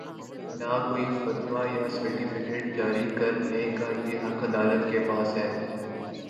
نہ کوئی فتوی یا سرٹیفکیٹ جاری کر نے کا یہ حق عدالت کے پاس ہے۔